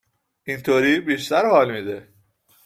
اینطوری بیشتر حال میده